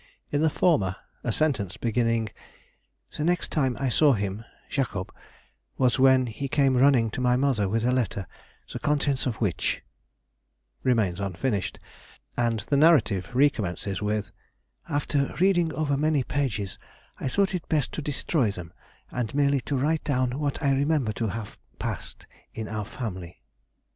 In the former, a sentence beginning "the next time I saw him [Jacob] was when he came running to my mother with a letter, the contents of which," remains unfinished, and the narrative recommences with: "After reading over many pages, I thought it best to destroy them, and merely to write down what I remember to have passed in our family."